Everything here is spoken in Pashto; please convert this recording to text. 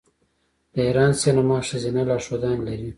د ایران سینما ښځینه لارښودانې لري.